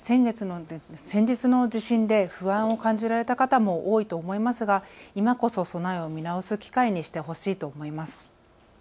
先日の地震で不安を感じられた方も多いと思いますが今こそ備えを見直す機会にしてほしいと思います。